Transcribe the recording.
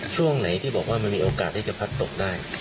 ช่วงไหนที่บอกว่ามันมีโอกาสที่จะพัดตกได้